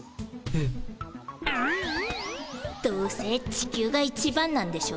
どうせ地球が一番なんでしょ。